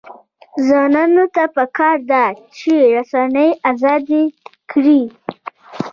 ځوانانو ته پکار ده چې، رسنۍ ازادې کړي.